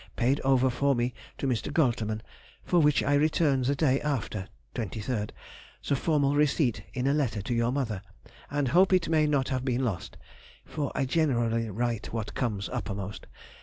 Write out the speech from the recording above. paid over for me to Mr. Goltermann, for which I returned the day after (23rd) the formal receipt in a letter to your mother, and hope it may not have been lost (for I generally write what comes uppermost)....